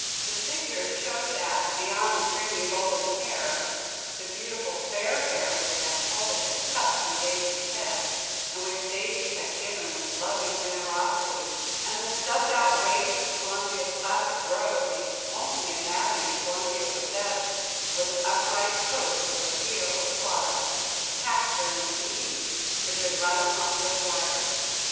The figure showed that, beyond the streaming golden hair the beautiful fair hair which Aunt Huldah had cut from Daisy's head, and which Daisy had given with loving generosity and the stuffed out waist of Columbia's classic robe, the only anatomy Columbia possessed was an upright post with a wheel at the bottom a caster indeed! which had run upon the big wire.